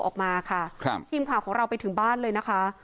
ออกมาค่ะครับทีมข่าวของเราไปถึงบ้านเลยนะคะ